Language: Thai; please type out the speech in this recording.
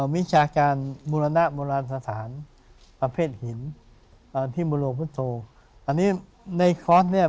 วิชาการบุรณะโบราณสถานประเภทหินอ่าที่มโลพุทธโธอันนี้ในคอร์สเนี่ย